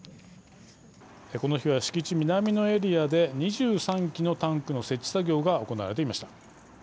この日は敷地南のエリアで２３基のタンクの設置作業が行われていました。